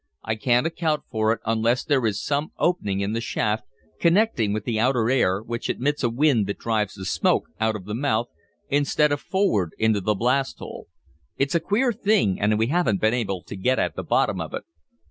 "I can't account for it unless there is some opening in the shaft, connecting with the outer air, which admits a wind that drives the smoke out of the mouth, instead of forward into the blast hole. It's a queer thing and we haven't been able to get at the bottom of it."